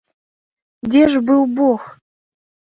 Дзе ж быў бог!